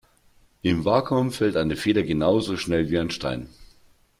Im Vakuum fällt eine Feder genauso schnell wie ein Stein.